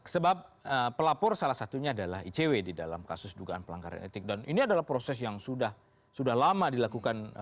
sebab pelapor salah satunya adalah icw di dalam kasus dugaan pelanggaran etik dan ini adalah proses yang sudah lama dilakukan